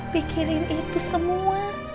pikirin itu semua